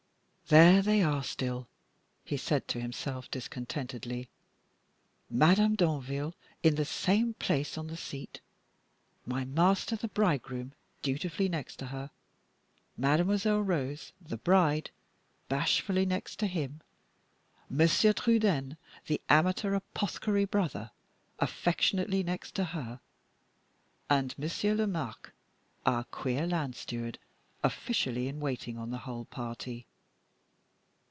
"There they are still," he said to himself, discontentedly. "Madame Danville in the same place on the seat; my master, the bridegroom, dutifully next to her; Mademoiselle Rose, the bride, bashfully next to him; Monsieur Trudaine, the amateur apothecary brother, affectionately next to her; and Monsieur Lomaque, our queer land steward, officially in waiting on the whole party.